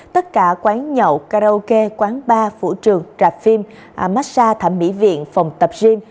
tất cả quán nhậu karaoke quán bar phủ trường rạp phim massage thẩm mỹ viện phòng tập gym